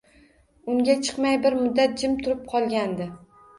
Unga chiqmay bir muddat jim turib qolgandi.